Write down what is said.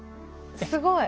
すごい。